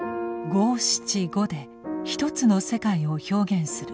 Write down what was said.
「五七五」で一つの世界を表現する俳句。